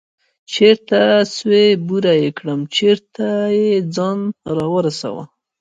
څه سوې بوره يې كړم چېرته يې ځان راورسوه.